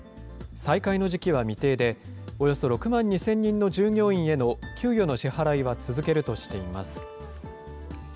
再開の時期は未定で、およそ６万２０００人の従業員への給与の支払いは続けるとしています。